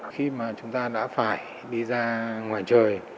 khi mà chúng ta đã phải đi ra ngoài trời